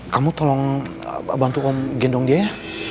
kamu tolong bantu om gendong dia ya